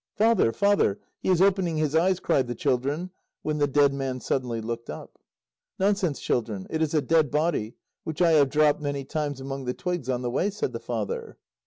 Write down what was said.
"Father, father, he is opening his eyes," cried the children, when the dead man suddenly looked up. "Nonsense, children, it is a dead body, which I have dropped many times among the twigs on the way," said the father.